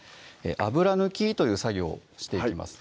油抜きという作業をしていきます